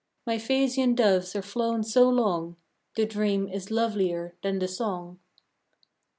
My Phasian doves are flown so long The dream is lovelier than the song!